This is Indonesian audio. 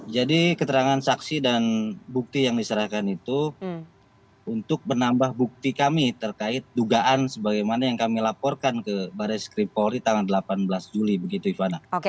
jadi keterangan saksi dan bukti yang diserahkan itu untuk menambah bukti kami terkait dugaan sebagaimana yang kami laporkan ke baris kripoli tanggal delapan belas juli begitu ivana